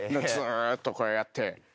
ずっとこうやって。